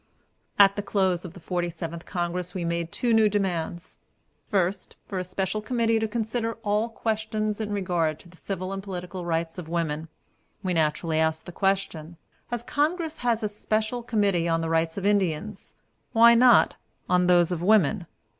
At the close of the Forty seventh Congress we made two new demands: First, for a special committee to consider all questions in regard to the civil and political rights of women. We naturally asked the question, As Congress has a special committee on the rights of Indians, why not on those of women?